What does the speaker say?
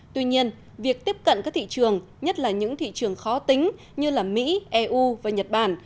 tuy nhiên việc tiếp cận các thị trường nhất là những thị trường khó tính như mỹ eu và nhật bản